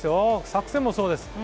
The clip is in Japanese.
作戦もそうです。